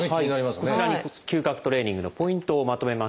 こちらに嗅覚トレーニングのポイントをまとめました。